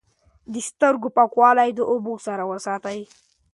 د سترګو پاکوالی د اوبو سره وساتئ.